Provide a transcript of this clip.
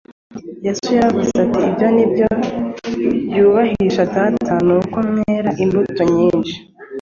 «Yesu yaravuze ati : Ibyo nibyo byubahisha Data, ni uko mwera imbuto nyinshi.»